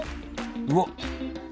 うわっ！